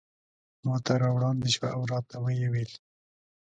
ماته را وړاندې شوه او راته ویې ویل.